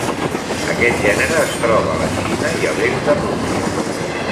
Aquest gènere es troba a la Xina i a l'est de Rússia.